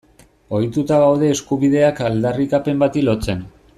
Ohituta gaude eskubideak aldarrikapen bati lotzen.